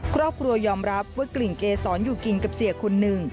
ครอบครัวยอมรับว่ากลิ่นเกษรอยู่กินกับเสียคนหนึ่ง